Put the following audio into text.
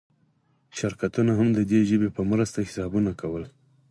شرکتونه هم د دې ژبې په مرسته حسابونه کول.